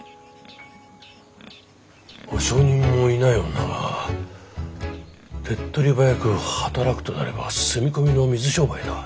保証人もいない女が手っ取り早く働くとなれば住み込みの水商売だ。